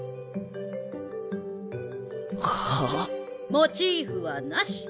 モチーフはなし。